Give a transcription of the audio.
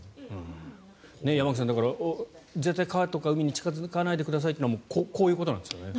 山口さん絶対に川とか海に近付かないでくださいというのはこういうことなんですよね。